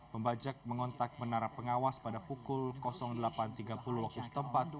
pembajak mengontak menara pengawas pada pukul delapan tiga puluh waktu setempat